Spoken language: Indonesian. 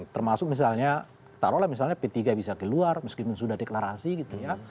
termasuk misalnya taruhlah misalnya p tiga bisa keluar meskipun sudah deklarasi gitu ya